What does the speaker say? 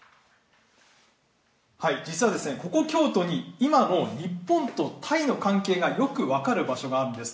実はですね、ここ京都に、今の日本とタイの関係がよく分かる場所があるんです。